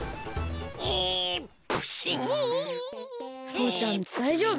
とうちゃんだいじょうぶ？